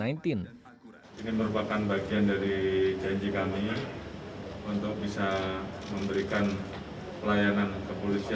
ini merupakan bagian dari janji kami untuk bisa memberikan pelayanan kepolisian